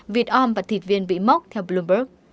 vịt om và thịt viên bị mốc theo bloomberg